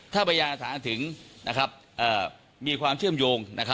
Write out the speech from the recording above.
ถ้าประหยาถาถึงมีความเชื่อมโยง